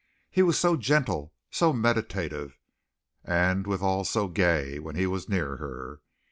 He was so gentle, so meditative, and withal so gay when he was near her!